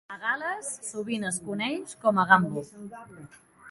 A Gal·les sovint es coneix com a "gambo".